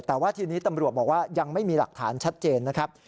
แต่ว่าทีนี้ตำรวจบอกว่ายังไม่มีหลักฐานชัดเจนนะครับ